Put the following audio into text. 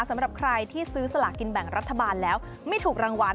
สำหรับใครที่ซื้อสลากินแบ่งรัฐบาลแล้วไม่ถูกรางวัล